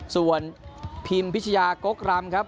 ส่วนพิมพิชยากกรำครับ